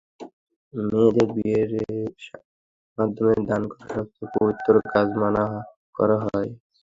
মেয়েদের বিয়ের মাধ্যমে দান করা সবচেয়ে পবিত্র কাজ মানা করা হয়।